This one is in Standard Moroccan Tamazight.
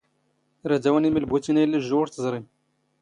ⵔⴰⴷ ⴰⵡⵏ ⵉⵎⵍ ⴱⵓⵜⵉⵏ ⴰⵢⵍⵍⵉ ⵊⵊⵓ ⵓⵔ ⵜⵥⵕⵉⵎ.